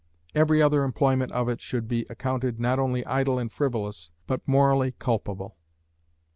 Every other employment of it should be accounted not only idle and frivolous, but morally culpable.